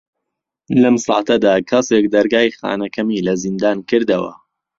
لەم ساتەدا کەسێک دەرگای خانەکەمی لە زیندان کردەوە.